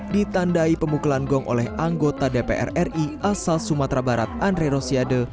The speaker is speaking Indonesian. ditandai pemukulan gong oleh anggota dpr ri asal sumatera barat andre rosiade